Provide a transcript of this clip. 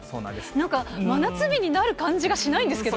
なんか真夏日になる感じがしないんですけどね。